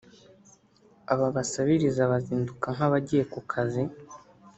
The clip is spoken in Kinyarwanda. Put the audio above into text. aba basabiriza bazinduka nk’abagiye ku kazi